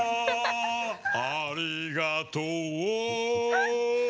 「ありがとう」